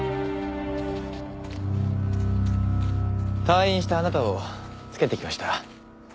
退院したあなたをつけてきました。